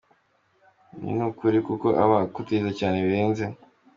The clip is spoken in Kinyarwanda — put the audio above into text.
Ibi niukuri kuko aba agutekereza cyane birenze.